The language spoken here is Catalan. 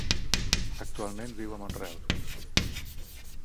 Actualment viu a Montreal.